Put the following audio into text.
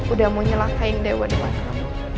udah mau nyelakain dewa depan kamu